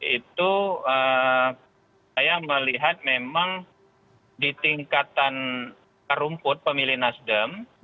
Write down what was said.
itu saya melihat memang di tingkatan rumput pemilih nasdem